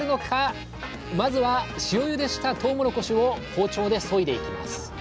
まずは塩ゆでしたとうもろこしを包丁でそいでいきます